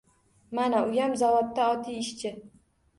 Mana, uyam zavodda oddiy ishchi